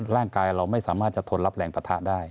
ร่างกายเราไม่สามารถจะทนรับแรงปะทะได้